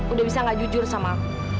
udah bisa gak jujur sama aku